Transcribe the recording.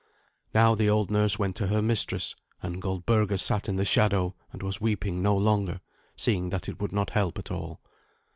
Now, the old nurse went to her mistress; and Goldberga sat in the shadow, and was weeping no longer, seeing that it would not help at all.